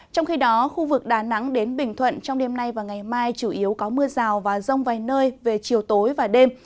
trong khi đó khu vực đà nẵng đến bình thuận trong đêm nay và ngày mai chủ yếu có mưa rào và rông vài nơi về chiều tối và đêm